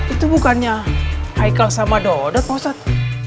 itu bukannya haikal sama rodot pak ustadz